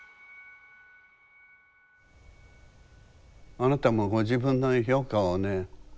あなたもご自分の評価をね